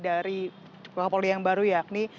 dari kapal rih yang baru yakni